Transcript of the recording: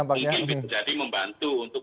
mungkin bisa jadi membantu untuk